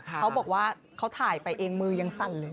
เขาบอกว่าเขาถ่ายไปเองมือยังสั่นเลย